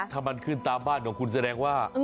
ถ้ามันขึ้นตามบ้านของคุณแสดงว่า